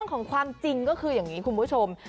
ของความจริงก็คืออย่างนี้คุณผู้ชม